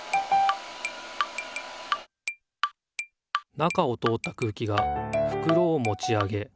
中を通った空気がふくろをもち上げ